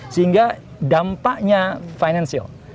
sehingga dampaknya financial